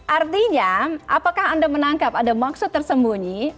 artinya apakah anda menangkap ada maksud tersembunyi